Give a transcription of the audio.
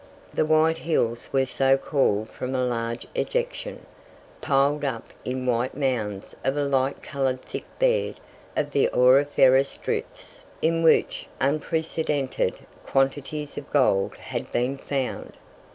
The White Hills were so called from a large ejection, piled up in white mounds of a light coloured thick bed of the auriferous drifts, in which unprecedented quantities of gold had been found.